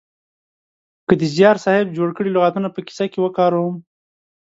که د زیار صاحب جوړ کړي لغاتونه په کیسه کې وکاروم